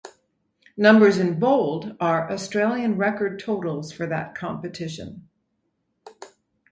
Numbers in bold are Australian record totals for that competition.